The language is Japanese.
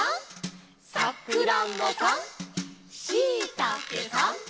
「さくらんぼさん」「しいたけさん」